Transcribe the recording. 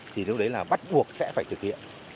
thì lúc đấy là bắt buộc sẽ phải thực hiện